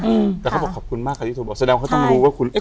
อืมแต่เขาบอกขอบคุณมากค่ะที่ถูกบอกแสดงว่าต้องรู้ว่าคุณเอ๊ะ